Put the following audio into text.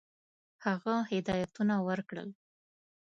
هغه هدایتونه ورکړل.